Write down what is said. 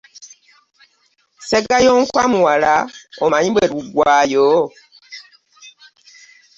Ssegayonkwa muwala omanyi bwe luggwaayo?